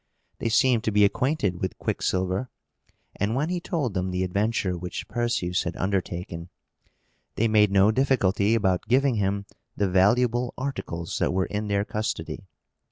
They seemed to be acquainted with Quicksilver; and, when he told them the adventure which Perseus had undertaken, they made no difficulty about giving him the valuable articles that were in their custody.